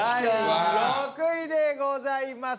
第６位でございます。